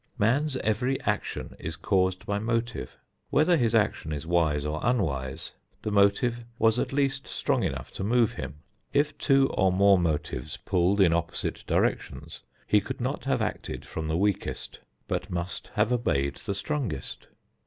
Man's every action is caused by motive. Whether his action is wise or unwise, the motive was at least strong enough to move him. If two or more motives pulled in opposite directions, he could not have acted from the weakest but must have obeyed the strongest.